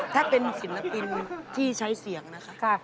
ถ้าเป็นศิลปินที่ใช้เสียงนะคะ